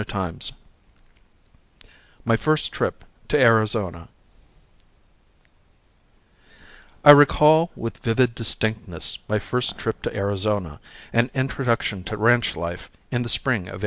CHAPTER II MY FIRST TRIP TO ARIZONA I recall with vivid distinctness my first trip to Arizona and introduction to ranch life in the spring of 1884.